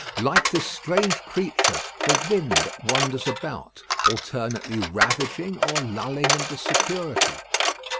Like this strange creature the wind wanders about, alternately ravaging or lulling into security.